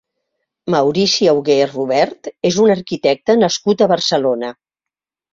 Maurici Augé Robert és un arquitecte nascut a Barcelona.